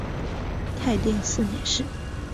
泰定四年事。